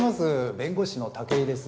弁護士の武井です。